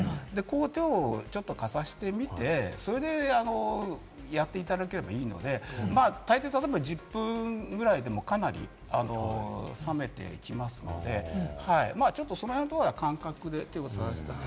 手をちょっとかざしてみて、それでやっていただければいいので、炊いて、例えば１０分ぐらいでも、冷めてきますので、ちょっとその辺のところは感覚で手をかざして。